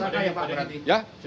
sudah ada tersangka ya pak